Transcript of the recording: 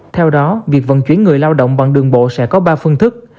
theo đó việc vận chuyển người lao động bằng đường bộ sẽ có ba phương thức